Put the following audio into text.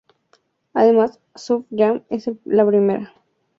Además, "Surf Jam" es la primera canción en la que Carl Wilson compone sólo.